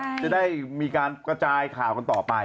จะได้มีการกระจายข่าวกันต่อไป